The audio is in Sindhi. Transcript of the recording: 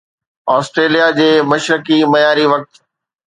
آسٽريليا جي مشرقي معياري وقت